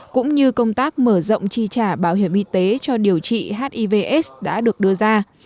cũng như công tác mở rộng chi trả bảo hiểm y tế cho điều trị hivs đã được đưa ra